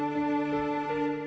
ceng eh tunggu